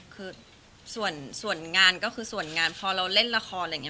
คือส่วนงานก็คือส่วนงานพอเราเล่นละครอะไรอย่างนี้